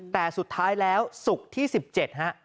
แต่สุดท้ายแล้วศุกร์ที่๑๗ฮะ